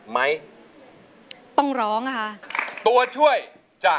กับเพลงที่๑ของเรา